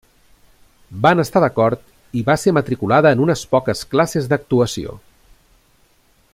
Van estar d'acord, i va ser matriculada en unes poques classes d'actuació.